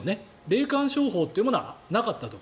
霊感商法っていうものはなかったと。